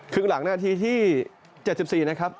ครึ่งหลังนาทีที่๗๔นะครับ